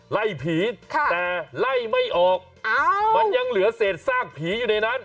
ไล่ผีแต่ไล่ไม่ออกมันยังเหลือเศษซากผีอยู่ในนั้น